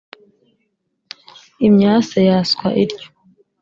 imyase yaswa ityo